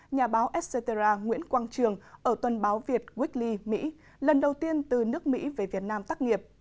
nhà báo etc nguyễn quang trường ở tuần báo việt weekly mỹ lần đầu tiên từ nước mỹ về việt nam tắt nghiệp